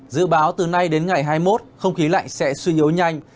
dự báo từ nay đến ngày hai mươi một không khí lạnh sẽ suy yếu nhanh